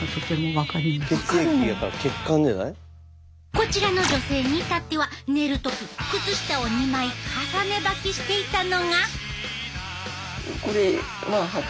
こちらの女性に至っては寝る時靴下を２枚重ね履きしていたのが。